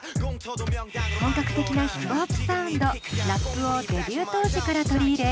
本格的なヒップホップサウンドラップをデビュー当時から取り入れ